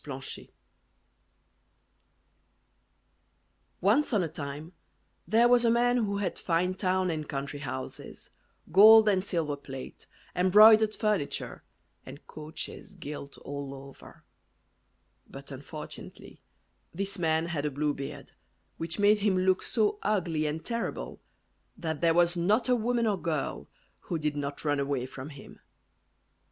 BLUE BEARD. Once on a time there was a man who had fine town and country houses, gold and silver plate, embroidered furniture, and coaches gilt all over; but unfortunately, this man had a blue beard, which made him look so ugly and terrible, that there was not a woman or girl who did not run away from him.